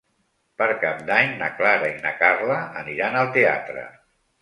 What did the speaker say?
Per Cap d'Any na Clara i na Carla aniran al teatre.